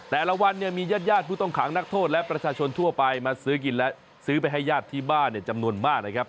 แต่ละวันเนี่ยมีญาติญาติผู้ต้องขังนักโทษและประชาชนทั่วไปมาซื้อกินและซื้อไปให้ญาติที่บ้านจำนวนมากนะครับ